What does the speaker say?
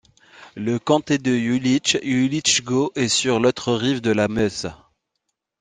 Le comté de Jüllich, Jülichgau est sur l'autre rive de la Meuse.